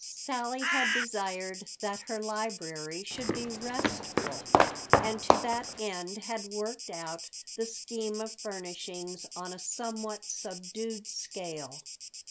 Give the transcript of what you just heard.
Sally had desired that her library should be "restful" and to that end had worked out the scheme of furnishings on a somewhat subdued scale.